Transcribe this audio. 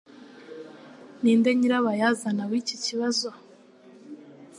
Ninde nyirabayazana w'iki kibazo